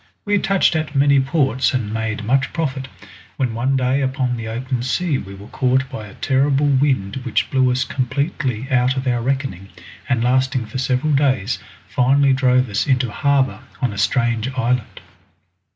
We had touched at many ports and made much profit, when one day upon the open sea we were caught by a terrible wind which blew us completely out of our reckoning, and lasting for several days finally drove us into harbour on a strange island.